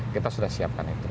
kita sudah siapkan itu